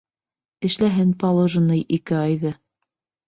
Эшләһен положенный ике айҙы.